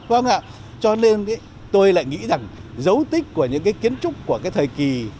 vâng ạ cho nên tôi lại nghĩ rằng dấu tích của những kiến trúc của thời kỳ